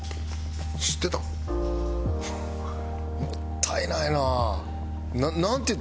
知ってたん？